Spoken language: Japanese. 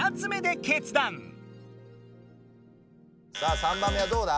さあ３番目はどうだ？